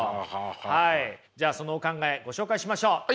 はいじゃあそのお考えご紹介しましょう。